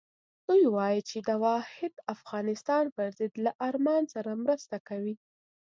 دوی وایي چې د واحد افغانستان پر ضد له ارمان سره مرسته کوي.